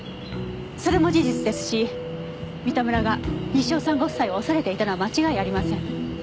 それも事実ですし三田村が西尾さんご夫妻を恐れていたのは間違いありません。